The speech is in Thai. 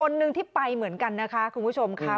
หนึ่งที่ไปเหมือนกันนะคะคุณผู้ชมค่ะ